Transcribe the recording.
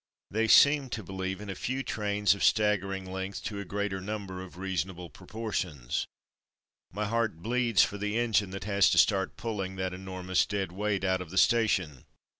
They seem to believe in a few trains of stagger ing length to a greater number of reasonable proportions. My heart bleeds for the en Off to Verdun 187 gine that has to start pulling that enorm ous dead weight out of the station.